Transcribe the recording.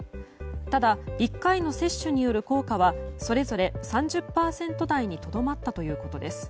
ただ、１回の接種による効果はそれぞれ３０％台にとどまったということです。